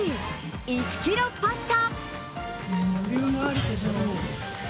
１ｋｇパスタ！